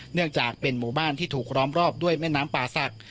เนื่องจากเป็นหมู่บ้านที่ถูกร้อมรอบด้วยแม่น้ำป่าศักดิ์